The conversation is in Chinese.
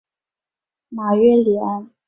马约里安。